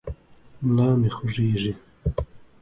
ملا مې خوږېږي.